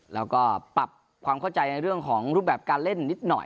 แล้วก็ปรับความเข้าใจในเรื่องของรูปแบบการเล่นนิดหน่อย